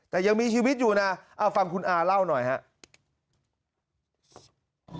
แต่ยังมีชีวิตอยู่นะเอาฟังคุณอาเล่าหน่อยครับ